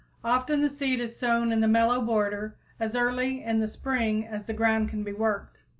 Often the seed is sown in the mellow border as early in the spring as the ground can be worked.